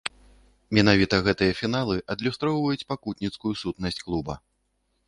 Менавіта гэтыя фіналы адлюстроўваюць пакутніцкую сутнасць клуба.